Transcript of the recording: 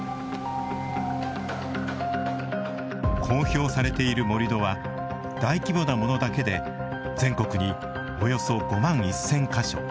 公表されている盛土は大規模なものだけで全国におよそ５万１，０００か所。